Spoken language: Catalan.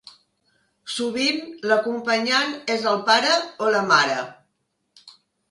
Sovint l'acompanyant és el pare o la mare.